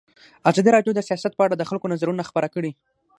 ازادي راډیو د سیاست په اړه د خلکو نظرونه خپاره کړي.